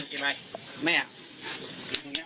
ตบออกมากินไป